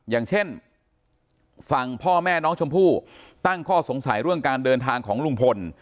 อย่างเช่นฝั่งพ่อแม่น้องชมพู่ตั้งข้อสงสัยเรื่องการเดินทางของลุงพล